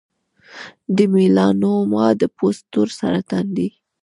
د میلانوما د پوست تور سرطان دی.